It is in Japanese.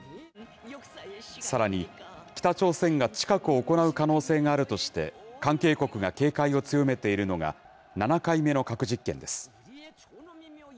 さらに、北朝鮮が近く行う可能性があるとして、関係国が警戒を強めているのが、７回目の核実験です。